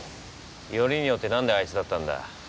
よりによって何であいつだったんだ。